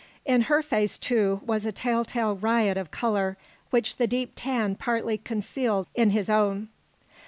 In her face, too, was a telltale riot of colour which the deep tan partly concealed in his own.